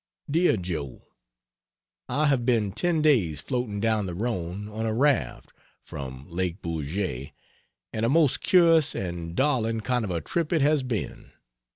DEAR JOE, I have been ten days floating down the Rhone on a raft, from Lake Bourget, and a most curious and darling kind of a trip it has been.